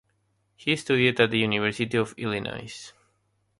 He studied at the University of Illinois.